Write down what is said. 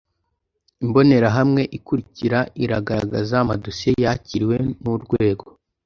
imbonerahamwe ikurikira iragaragaza amadosiye yakiriwe n’urwego